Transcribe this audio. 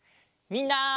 みんな！